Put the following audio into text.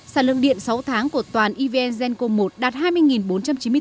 sản lượng điện sáu tháng của toàn evn genco một đạt hai mươi bốn trăm chín mươi tám tấn